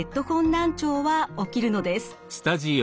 難聴は起きるのです。